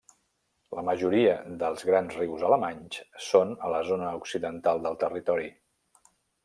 La majoria dels grans rius alemanys són a la zona occidental del territori.